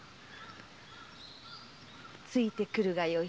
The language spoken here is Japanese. ついて来るがよい。